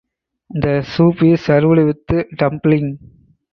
The soup is served with dumpling.